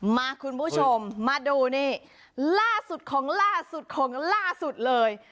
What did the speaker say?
มาคุณผู้ชมมาดูนี่ล่าสุดของล่าสุดของล่าสุดเลย